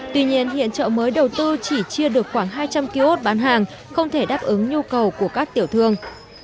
tuy nhiên hiện chợ mới đầu tư chỉ chia được khoảng hai trăm linh kiosk bán hàng không thể đáp ứng nhu cầu của các tiểu thương